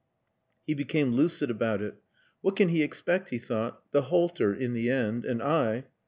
He became lucid about it. "What can he expect?" he thought. "The halter in the end. And I...."